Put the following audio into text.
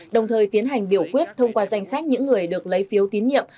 đồng thời tiến hành biểu quyết thông qua danh sách những người được lấy phiếu tín nhiệm